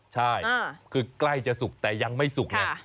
ใช่อ่าคือกล้ายจะสุกแต่ยังไม่สุกน่ะค่ะ